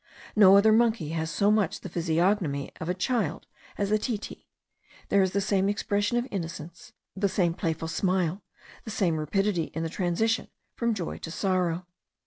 No other monkey has so much the physiognomy of a child as the titi; there is the same expression of innocence, the same playful smile, the same rapidity in the transition from joy to sorrow.